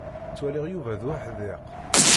Ttwaliɣ Yuba d uḥdiq.